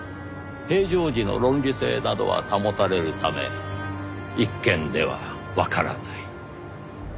平常時の論理性などは保たれるため一見ではわからない。